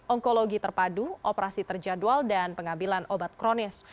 onkologi terpadu operasi terjadwal dan pengambilan obat kronis